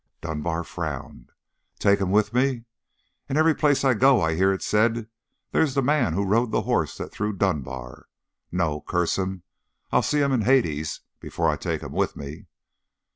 Dunbar frowned. "Take him with me? And every place I go I hear it said, 'There's the man who rode the horse that threw Dunbar!' No, curse him, I'll see him in Hades before I take him with me!"